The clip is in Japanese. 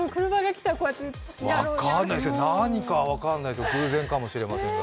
何か分かんないけど偶然かもしれませんが。